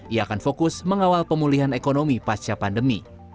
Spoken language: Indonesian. ia akan fokus mengawal pemulihan ekonomi pasca pandemi